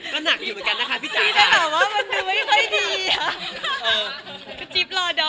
ก็หนักอยู่เหมือนกันนะคะพี่จ๋า